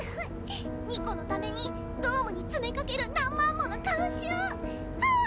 にこのためにドームに詰めかける何万もの観衆！はわ！